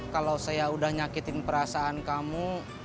kalau saya udah nyakitin perasaan kamu